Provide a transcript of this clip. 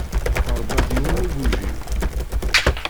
Tṛebbaḍ yiwen n ugujil.